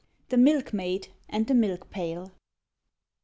THE MILK MAID AND THE MILK PAIL.